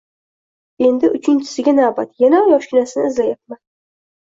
Endi uchinchisiga navbat, yana yoshginasini izlayapman